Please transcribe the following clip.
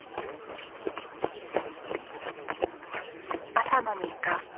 朝の日課。